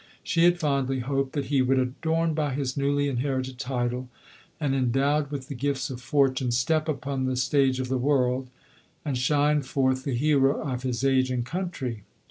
She had fondly hoped that he would, adorned by his newly inherited title, and en dowed with the gifts of fortune, step upon the stage of the world, and shine forth the hero of his age and country.